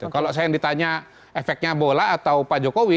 kalau saya yang ditanya efeknya bola atau pak jokowi